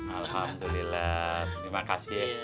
alhamdulillah terima kasih